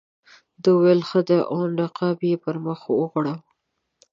ده وویل ښه دی او نقاب یې پر مخ وغوړاوه.